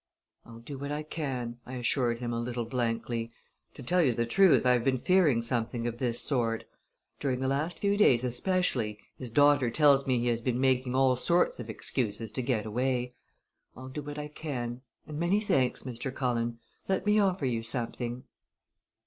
"I'll do what I can," I assured him a little blankly. "To tell you the truth I have been fearing something of this sort. During the last few days especially his daughter tells me he has been making all sorts of excuses to get away. I'll do what I can and many thanks, Mr. Cullen. Let me offer you something."